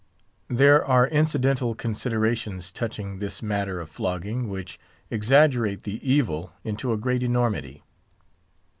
There are incidental considerations touching this matter of flogging, which exaggerate the evil into a great enormity.